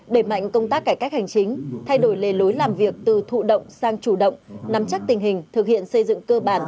đẩy mạnh công tác cải cách hành chính thay đổi lề lối làm việc từ thụ động sang chủ động nắm chắc tình hình thực hiện xây dựng cơ bản